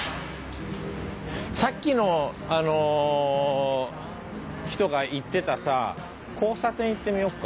さっきの人が言ってたさ交差点行ってみようか。